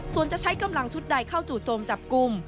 ส่วนจะใช้กำลังชุดใดเข้าจู่โจมจับกลุ่ม